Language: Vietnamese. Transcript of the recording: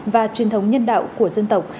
và truyền thống nhân đạo của dân tộc